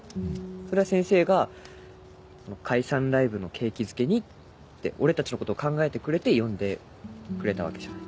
それは先生が「解散ライブの景気づけに」って俺たちのことを考えてくれて呼んでくれたわけじゃない。